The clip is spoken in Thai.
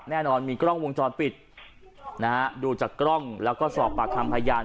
แน่นอนมีกล้องวงจรปิดนะฮะดูจากกล้องแล้วก็สอบปากคำพยาน